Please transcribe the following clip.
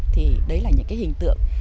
thì đấy là những cái hình tượng